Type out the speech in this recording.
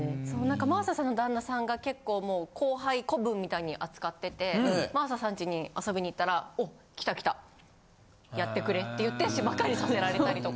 真麻さんの旦那さんが結構後輩子分みたいに扱ってて真麻さんちに遊びに行ったらおっ来た来たやってくれって言って芝刈りさせられたりとか。